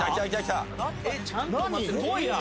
すごいな！